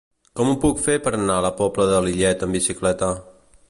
Com ho puc fer per anar a la Pobla de Lillet amb bicicleta?